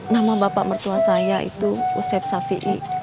nama bapak mertua saya itu usep sapi'i